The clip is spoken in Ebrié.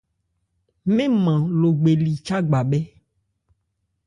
Mɛn nman Logbe li chágba bhɛ́.